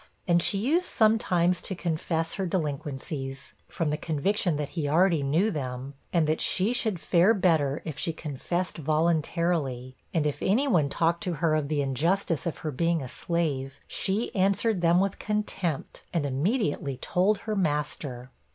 And she used sometimes to confess her delinquencies, from the conviction that he already knew them, and that she should fare better if she confessed voluntarily: and if any one talked to her of the injustice of her being a slave, she answered them with contempt, and immediately told her master.